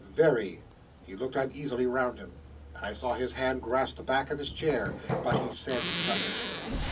"Very." 'He looked uneasily round him, and I saw his hand grasp the back of his chair; but he said nothing.